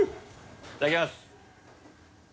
いただきます。